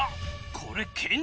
これ。